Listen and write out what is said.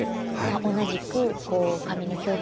同じく髪の表現